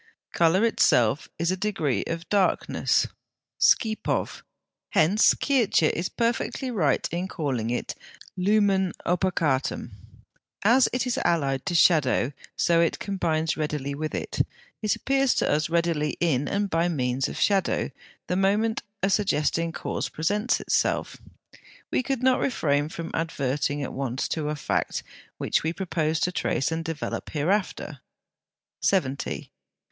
Colour itself is a degree of darkness σκιερόν; hence Kircher is perfectly right in calling it lumen opacatum. As it is allied to shadow, so it combines readily with it; it appears to us readily in and by means of shadow the moment a suggesting cause presents itself. We could not refrain from adverting at once to a fact which we propose to trace and develop hereafter. Note E. 70.